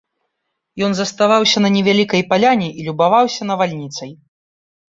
Ён заставаўся на невялікай паляне і любаваўся навальніцай.